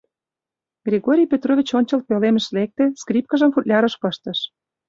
Григорий Петрович ончыл пӧлемыш лекте, скрипкажым футлярыш пыштыш.